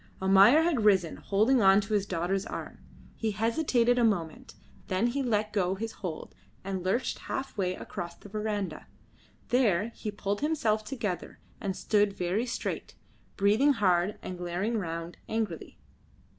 Almayer had risen, holding on to his daughter's arm. He hesitated a moment, then he let go his hold and lurched half way across the verandah. There he pulled himself together, and stood very straight, breathing hard and glaring round angrily.